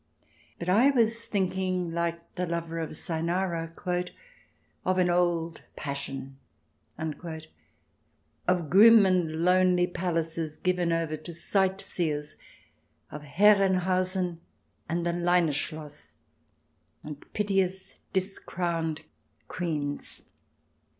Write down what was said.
But I was thinking, like the lover of Cynara, "of an old passion," of grim and lonely palaces given over to sightseers, of Herrenhausen and the Leine Schloss, and piteous Discrowned Queens.